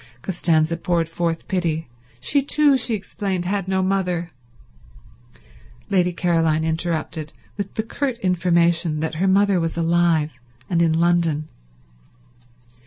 Costanza poured forth pity. She too, she explained, had no mother— Lady Caroline interrupted with the curt information that her mother was alive and in London.